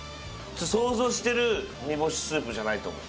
想像してる煮干しスープじゃないと思う。